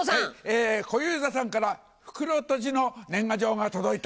小遊三さんから袋とじの年賀状が届いた。